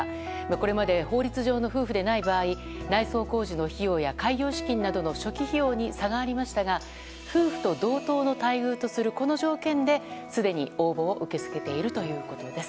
これまで法律上の夫婦でない場合内装工事の費用や開業資金の初期費用に差がありましたが夫婦と同等の待遇とするこの条件ですでに応募を受け付けているということです